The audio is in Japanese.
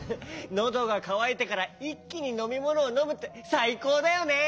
のどがかわいてからいっきにのみものをのむってさいこうだよね！